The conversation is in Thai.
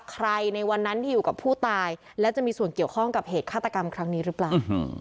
ในวันนั้นที่อยู่กับผู้ตายและจะมีส่วนเกี่ยวข้องกับเหตุฆาตกรรมครั้งนี้หรือเปล่า